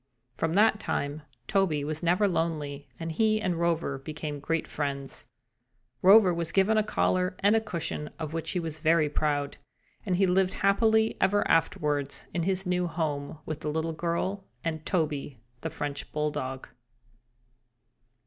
From that time Toby was never lonely and he and Rover became great friends. Rover was given a collar and a cushion, of which he was very proud, and he lived happily ever afterwards in his new home with the little girl and Toby, the French bulldog.